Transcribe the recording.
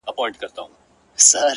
o زما خوله كي شپېلۍ اشنا؛